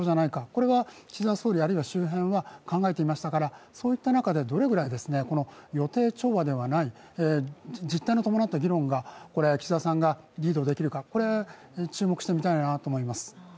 これが岸田総理、あるいは周辺は考えていましたから、そういった中でどれぐらい、予定調和ではない、実体の伴った議論が、岸田さんができるかこれに注目してみたいなと思います。